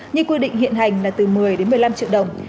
như quy định hiện hành là từ một mươi đến một mươi năm triệu đồng